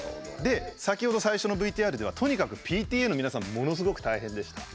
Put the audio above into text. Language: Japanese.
先ほど最初のＶＴＲではとにかくＰＴＡの皆さんがものすごく大変でした。